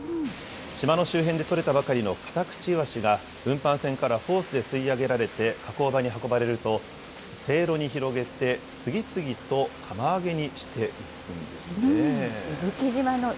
島の周辺で取れたばかりのカタクチイワシが運搬船からホースで吸い上げられて、加工場に運ばれると、せいろに広げて次々と釜揚げにしていくんですね。